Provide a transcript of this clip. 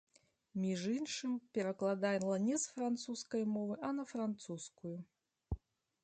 Між іншым, перакладала не з французскай мовы, а на французскую.